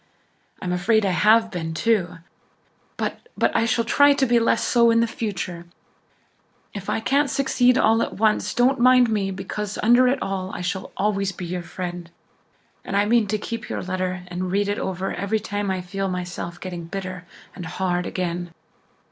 I'm afraid I have been, too. But but I shall try to be less so in future. If I can't succeed all at once don't mind me because, under it all, I shall always be your friend. And I mean to keep your letter and read it over every time I feel myself getting bitter and hard again."